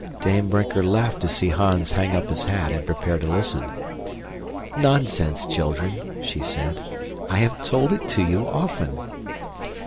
Dame Brinker laughed to see Hans hang up his hat and prepare to listen. "Nonsense, children," she said. "I have told it to you often."